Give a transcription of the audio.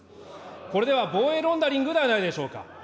これでは防衛ロンダリングではないでしょうか。